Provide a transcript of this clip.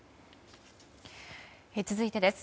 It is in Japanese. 続いてです。